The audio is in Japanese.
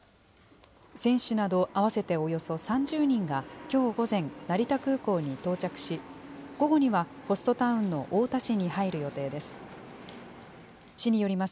選手など合わせておよそ３０人が、きょう午前、成田空港に到着し、午後にはホストタウンの太田市に入る予定です。